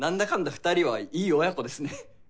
二人はいい親子ですね。